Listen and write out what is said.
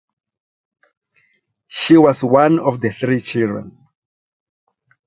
She was one of three children.